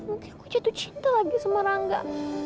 mungkin aku jatuh cinta lagi sama rangga